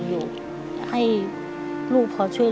คุณเก๋